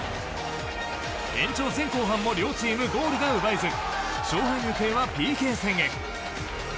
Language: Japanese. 延長前後半も両チームゴールが奪えず勝敗の行方はＰＫ戦へ。